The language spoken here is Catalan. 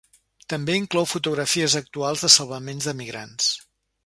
També inclou fotografies actuals de salvaments d’emigrants.